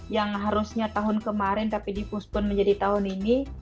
yang harusnya tahun kemarin tapi dipuspun menjadi tahun ini